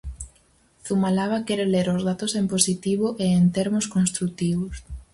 Zumalava quere ler os datos en positivo e en termos construtivos.